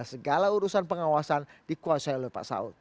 segala urusan pengawasan dikuasai oleh pak saud